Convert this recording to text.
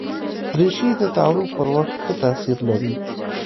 دریشي د تعارف پر وخت ښه تاثیر لري.